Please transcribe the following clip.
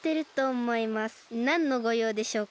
なんのごようでしょうか？